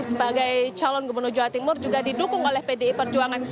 sebagai calon gubernur jawa timur juga didukung oleh pdi perjuangan